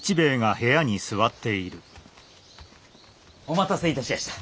お待たせいたしやした。